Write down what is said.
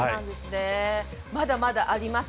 まだまだあります。